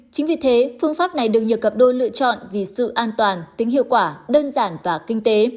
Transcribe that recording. chính vì thế phương pháp này được nhiều cặp đôi lựa chọn vì sự an toàn tính hiệu quả đơn giản và kinh tế